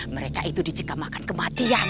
mereka itu dicekam akan kematian